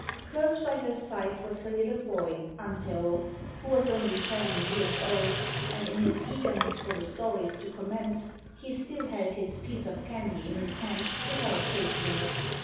Close by her side was her little boy Antero, who was only seven years old, and in his eagerness for the stories to commence he still held his piece of candy in his hand without tasting it.